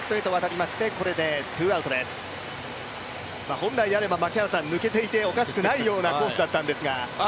本来であれば抜けていておかしくないようなコースだったんですが。